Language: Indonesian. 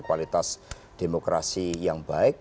kualitas demokrasi yang baik